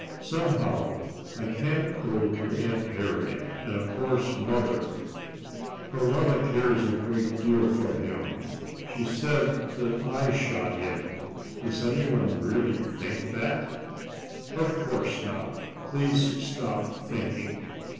Somehow, I can't go to Aunt Harriet, and of course mother Carlotta cares a great deal for him. She said that I shot him. Does anyone really think that?" "Of course not. Please stop thinking."